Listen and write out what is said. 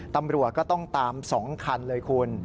ตำรวจก็ต้องตาม๒คันเลยคุณ